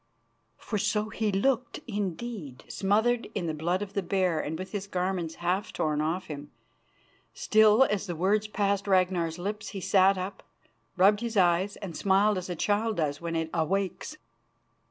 For so he looked, indeed, smothered in the blood of the bear and with his garments half torn off him. Still, as the words passed Ragnar's lips he sat up, rubbed his eyes and smiled as a child does when it awakes.